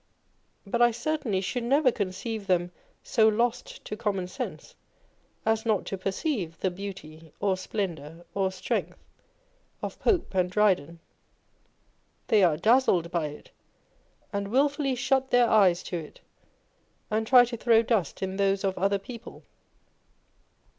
But I certainly should never conceive them so l*|t to common sense as not to perceive the beauty, or splendour, or strength of Pope and Dryden. They are dazzled by it, and wilfully shut their eyes to it, and try to throw dust in those of other people.